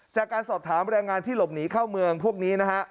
จากการสอบถามแรงงานที่หลบหนีเข้าเมืองพวกนี้นะฮะ